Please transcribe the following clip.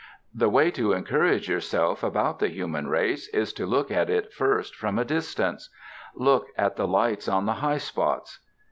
The way to encourage yourself about the human race is to look at it first from a distance; look at the lights on the high spots.